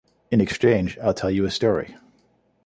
In exchange, I'll tell you a story.